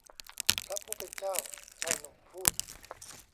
พระผู้เป็นเจ้า ชายหนุ่มพูด